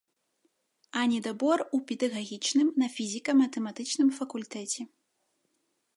А недабор у педагагічным на фізіка-матэматычным факультэце.